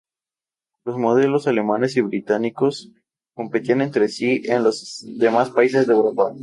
Los modelos alemanes y británicos competían entre sí en los demás países de Europa.